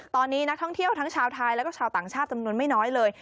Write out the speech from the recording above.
ตอนนี้นักท่องเที่ยวทั้งชาวไทยแล้วก็ชาวต่างชาติจำนวนไม่น้อยเลย